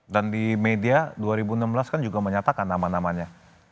dan di media dua ribu enam belas kan juga menyatakan nama namanya